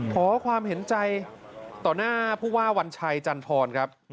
ขอความเห็นใจต่อหน้าผู้ว่าวัญชัยจันทรครับ